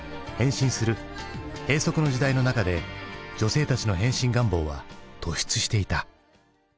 閉塞の時代の中で女性たちの変身願望は突出していた。